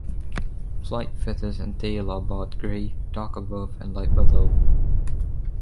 Flight feathers and tail are barred grey, dark above and light below.